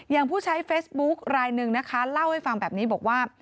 ผู้ใช้เฟซบุ๊คลายหนึ่งนะคะเล่าให้ฟังแบบนี้บอกว่า